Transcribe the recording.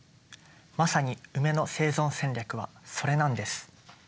まさにウメの生存戦略はそれなんです。